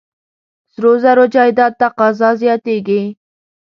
سرو زرو جایداد تقاضا زیاتېږي.